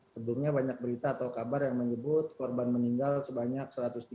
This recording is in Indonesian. sebelumnya banyak berita atau kabar yang menyebut korban meninggal sebanyak satu ratus tiga puluh